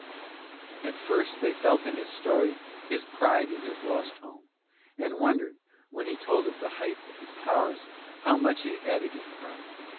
At first they felt in his story his pride in his lost home, and wondered, when he told of the height of his towers, how much he added in pride.